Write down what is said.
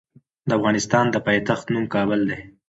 د افغانستان د پايتخت نوم کابل دی.